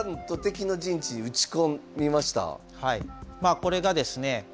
これがですね